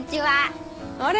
あれ？